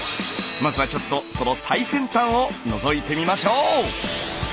まずはちょっとその最先端をのぞいてみましょう。